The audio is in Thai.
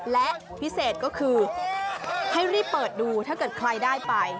และพิเศษก็คือให้รีบเปิดดูถ้าเกิดใครได้ไป